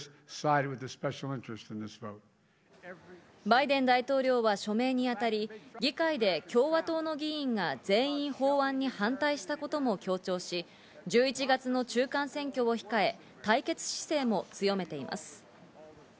バイデン大統領は署名にあたり、議会で共和党の議員が全員法案に反対したことも強調し、１１月の中間選挙を控え、対決姿勢も強めています。